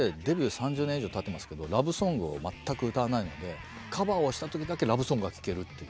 ３０年以上たってますけどラブソングを全く歌わないのでカバーをした時だけラブソングが聴けるっていう。